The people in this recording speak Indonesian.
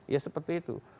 ya seperti itu